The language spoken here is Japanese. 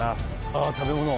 ああ、食べ物。